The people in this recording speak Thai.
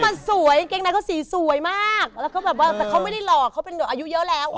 มันสวยกางเกงในเขาสีสวยมากแล้วก็แบบว่าแต่เขาไม่ได้หลอกเขาเป็นแบบอายุเยอะแล้ว